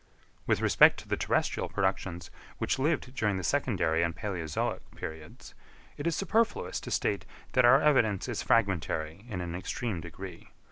With respect to the terrestrial productions which lived during the Secondary and Palæozoic periods, it is superfluous to state that our evidence is fragmentary in an extreme degree.